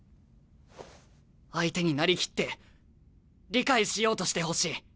相手になりきって理解しようとしてほしい。